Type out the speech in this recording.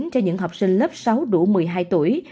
cho những học sinh lớp sáu đủ một mươi hai tuổi